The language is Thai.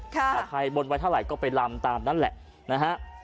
ถ้าใครบนไว้เท่าไหร่ก็ไปลำตามนั้นแหละนะฮะ